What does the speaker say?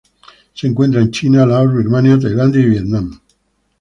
Se encuentra en China, Laos, Birmania, Tailandia, y Vietnam.